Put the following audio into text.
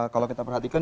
kalau kita perhatikan